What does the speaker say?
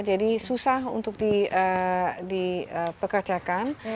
jadi susah untuk dipekerjakan